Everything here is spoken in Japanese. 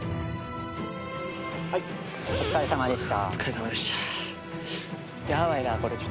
はいお疲れさまでした。